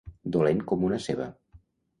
Dolent com una ceba.